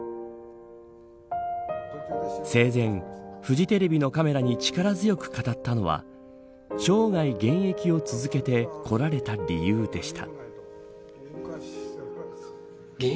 生前、フジテレビのカメラに力強く語ったのは生涯現役を続けてこられた理由でした。